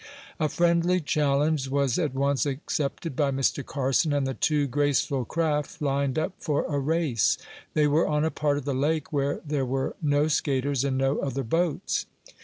A friendly challenge was at once accepted by Mr. Carson, and the two graceful craft lined up for a race. They were on a part of the lake where there were no skaters and no other boats.